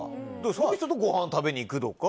そういう人とごはん食べに行くとか。